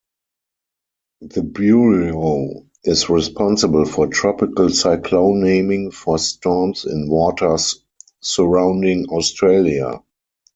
The Bureau is responsible for tropical cyclone naming for storms in waters surrounding Australia.